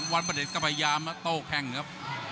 วันประเด็จก็พยายามมาโต้แข้งครับ